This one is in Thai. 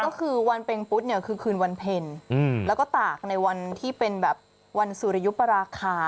ก็คือวันเป็งปุ๊ดเนี่ยคือคืนวันเพ็ญแล้วก็ตากในวันที่เป็นแบบวันสุริยุปราคา